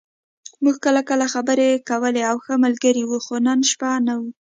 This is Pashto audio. موږ کله کله خبرې کولې او ښه ملګري وو، خو نن شپه نه و.